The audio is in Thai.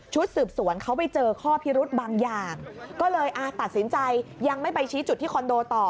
สืบสวนเขาไปเจอข้อพิรุธบางอย่างก็เลยตัดสินใจยังไม่ไปชี้จุดที่คอนโดต่อ